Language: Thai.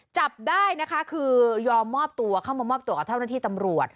จับได้นะคะคือยอมมอบตัวเข้ามามอบตัวกับเจ้าหน้าที่ตำรวจ